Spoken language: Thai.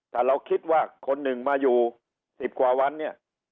ถ้าเราคิดว่าคนหนึ่งมาอยู่๑๐กว่าวันเนี่ย